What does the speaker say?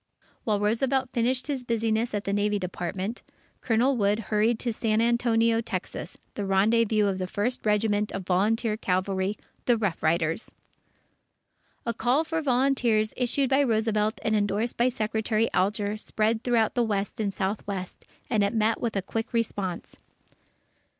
While Roosevelt finished his business at the Navy Department, Colonel Wood hurried to San Antonio, Texas, the rendezvous of the First Regiment of Volunteer Cavalry the Rough Riders! A call for volunteers, issued by Roosevelt and endorsed by Secretary Alger, spread through the West and Southwest, and it met with a quick response.